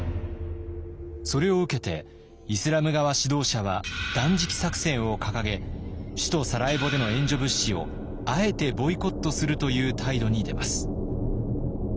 それを受けてイスラム側指導者は断食作戦を掲げ首都サラエボでの援助物資をあえてボイコットするという態度に出ます。